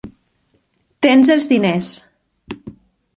Tens els diners.